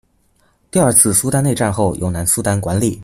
第二次苏丹内战后由南苏丹管理。